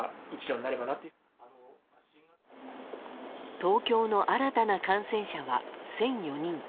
東京の新たな感染者は１００４人。